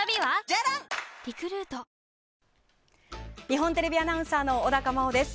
日本テレビアナウンサーの小高茉緒です。